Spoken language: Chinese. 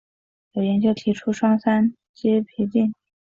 有研究提出双三嗪基吡啶。